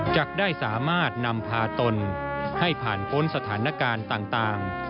จากได้สามารถนำพาตนให้ผ่านพ้นสถานการณ์ต่าง